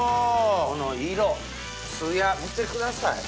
この色ツヤ見てください。